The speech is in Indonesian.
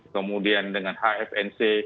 kemudian dengan hfnc